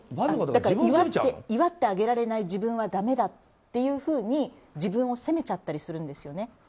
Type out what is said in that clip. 祝ってあげられない自分はだめだっていうふうに自分を責めちゃったりするんですよね。